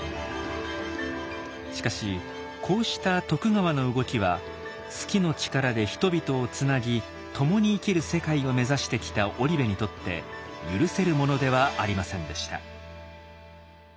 しかしこうした徳川の動きは数寄の力で人々をつなぎ共に生きる世界を目指してきた織部にとって許せるものではありませんでした。